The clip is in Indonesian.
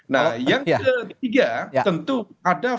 nah yang ketiga tentu ada